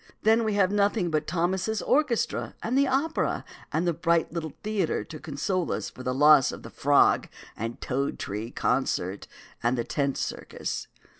Then we have nothing but Thomas's orchestra and the opera and the bright little theatre to console us for the loss of the frog and tree toad concert and the tent circus.